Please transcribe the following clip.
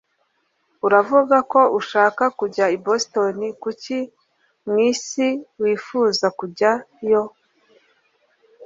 Uravuga ko ushaka kujya i Boston Kuki mwisi wifuza kujyayo